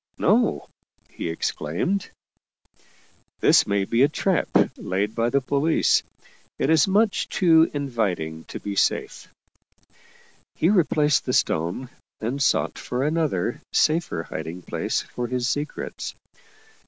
" No," he exclaimed, "this may be a trap laid by the police. It is much too inviting to be safe." He replaced the stone and sought for another, safer, hiding place for his secrets.